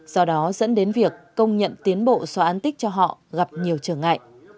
do đó dẫn đến việc công nhận tiến bộ xóa án tích cho họ gặp nhiều trở ngại